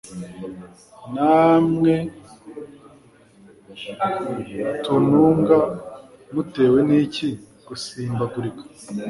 namwe tununga mutewe n’iki gusimbagurika